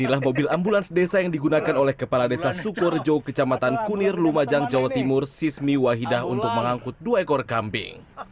inilah mobil ambulans desa yang digunakan oleh kepala desa sukorejo kecamatan kunir lumajang jawa timur sismi wahidah untuk mengangkut dua ekor kambing